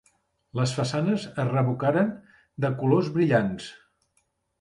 Les façanes es revocaren de colors brillants.